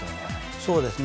そうですね。